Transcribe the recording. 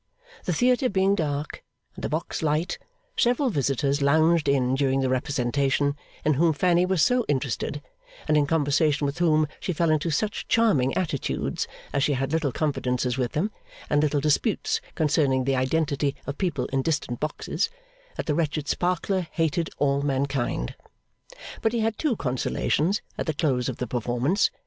The theatre being dark, and the box light, several visitors lounged in during the representation; in whom Fanny was so interested, and in conversation with whom she fell into such charming attitudes, as she had little confidences with them, and little disputes concerning the identity of people in distant boxes, that the wretched Sparkler hated all mankind. But he had two consolations at the close of the performance.